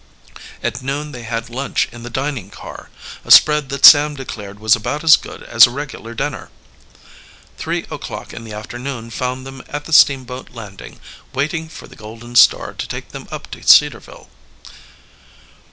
At noon they had lunch in the dining car, a spread that Sam declared was about as good as a regular dinner. Three o'clock in the afternoon found them at the steamboat landing, waiting for the Golden Star to take them up to Cedarville.